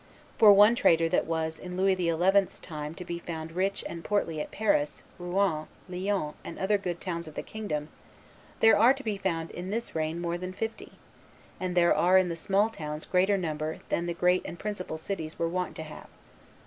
For one trader that was in Louis XI.'s time to be found rich and portly at Paris, Rouen, Lyons, and other good towns of the kingdom, there are to be found in this reign more than fifty; and there are in the small towns greater number than the great and principal cities were wont to have.